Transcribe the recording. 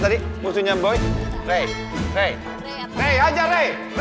siapasih deh boy kata